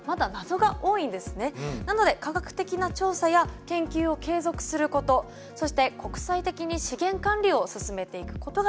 なので科学的な調査や研究を継続することそして国際的に資源管理を進めていくことが大事だとおっしゃっています。